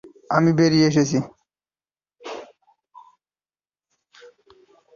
আমি বেরিয়ে এসেছি।